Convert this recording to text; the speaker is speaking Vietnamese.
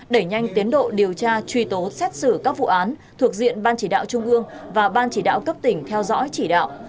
đẩy nhanh tiến độ điều tra truy tố xét xử các vụ án thuộc diện ban chỉ đạo trung ương và ban chỉ đạo cấp tỉnh theo dõi chỉ đạo